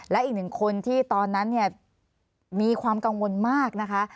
และอีกหนึ่งคนที่ตอนนั้นเนี่ยมีความกังวลมากนะคะ